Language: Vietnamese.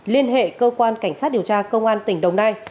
liên hệ cơ quan cảnh sát điều tra công an tỉnh đồng nai